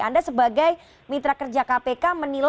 anda sebagai mitra kerja kpk